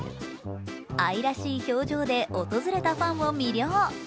愛らしい表情で訪れたファンを魅了。